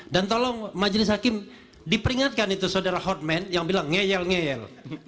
tolong majelis hakim diperingatkan itu saudara hotman yang bilang ngeyel ngeyel